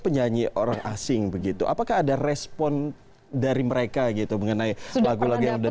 penyanyi orang asing begitu apakah ada respon dari mereka gitu mengenai lagu lagu yang udah